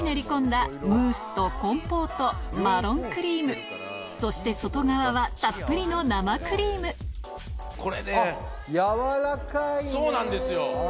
ムースとコンポートマロンクリームそして外側はたっぷりの生クリームそうなんですよ